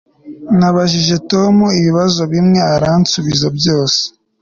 Nabajije Tom ibibazo bimwe aransubiza byose